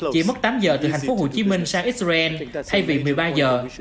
chỉ mất tám giờ từ thành phố hồ chí minh sang israel hay việc một mươi ba giờ